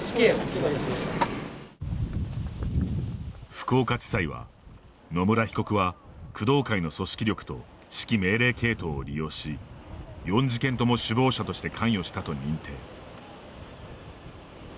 福岡地裁は野村被告は工藤会の組織力と指揮命令系統を利用し４事件とも首謀者として関与したと認定。